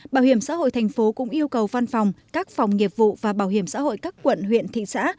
bảo hiểm xã hội thành phố cũng yêu cầu văn phòng các phòng nghiệp vụ và bảo hiểm xã hội các quận huyện thị xã